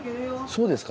そうですか。